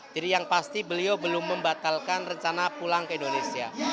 jadi yang pasti beliau belum membatalkan rencana pulang ke indonesia